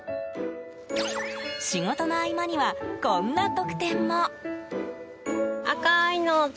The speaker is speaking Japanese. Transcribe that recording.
仕事の合間には、こんな特典も。